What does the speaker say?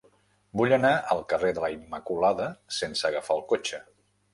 Vull anar al carrer de la Immaculada sense agafar el cotxe.